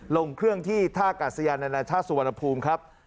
ลงเครื่องที่ท่ากาศยานานาชาติสุวรรณภูมิครับ